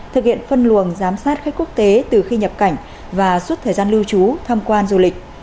thực hiện phân luồng giám sát khách quốc tế từ khi nhập cảnh và suốt thời gian lưu trú tham quan du lịch